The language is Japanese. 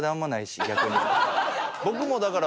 僕もだから。